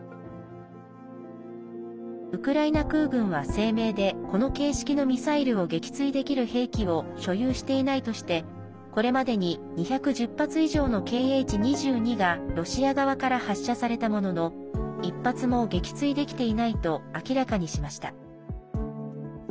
ウクライナ空軍は声明でこの型式のミサイルを撃墜できる兵器を所有していないとしてこれまでに２１０発以上の「Ｋｈ‐２２」がロシア側から発射されたものの１発も撃墜できていないと明らかにしました。